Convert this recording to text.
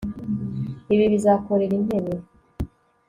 Ibi bizakorera intebe